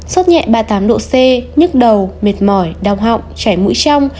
sốt nhẹ ba mươi tám độ c nhức đầu mệt mỏi đau họng chảy mũi trong